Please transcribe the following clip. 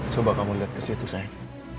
coba kamu liat kesitu sayang